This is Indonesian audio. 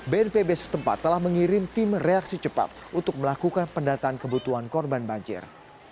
bnpb setempat telah mengirim tim reaksi cepat untuk melakukan pendataan kebutuhan korban banjir